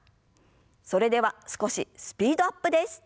それでは少しスピードアップです。